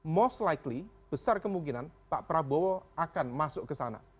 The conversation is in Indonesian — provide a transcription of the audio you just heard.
most likely besar kemungkinan pak prabowo akan masuk kesana